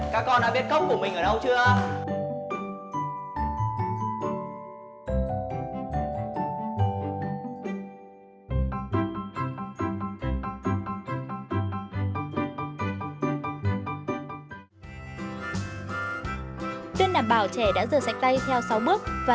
các con đã biết cốc của mình ở đâu chưa